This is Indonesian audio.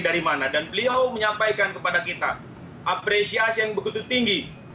dari mana dan beliau menyampaikan kepada kita apresiasi yang begitu tinggi